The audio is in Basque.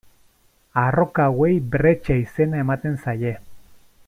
Arroka hauei bretxa izena ematen zaie.